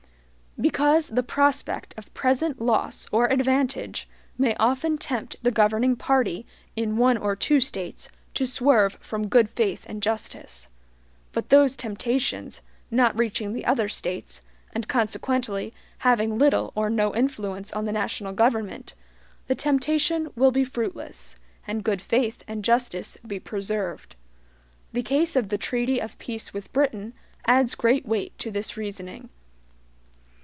Because the prospect of present loss or advantage may often tempt the governing party in one or two States to swerve from good faith and justice; but those temptations, not reaching the other States, and consequently having little or no influence on the national government, the temptation will be fruitless, and good faith and justice be preserved. The case of the treaty of peace with Britain adds great weight to this reasoning.